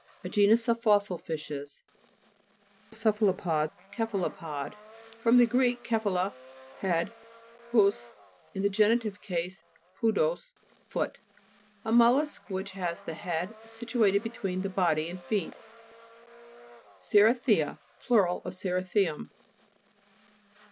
A genus of fossil fishes (p. 37). CE'PHALOPOD (kt'f alu pod) fr. gr. kephale, head, pous, in genitive case podos, foot. A mollusk which has the head situated between the body and feet. CERI'THIA Plur. of cerithium.